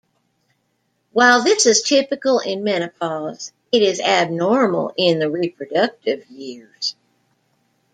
While this is typical in menopause, it is abnormal in the reproductive years.